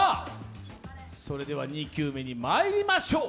それでは２球目にまいりましょう。